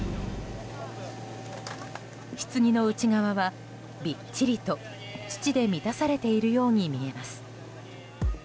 棺の内側はびっちりと、土で満たされているように見えます。